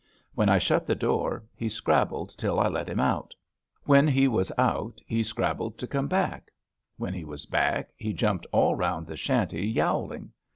When I shut the door he scrabbled till I let him out. When he was out he scrabbled to come back. When he was back, he jumped all rpund the shanty yowling.